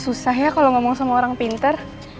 susah ya kalau ngomong sama orang pinter